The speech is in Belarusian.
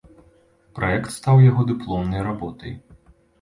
Праект стаў яго дыпломнай работай.